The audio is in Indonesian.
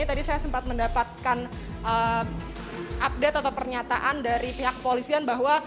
tadi saya sempat mendapatkan update atau pernyataan dari pihak polisian bahwa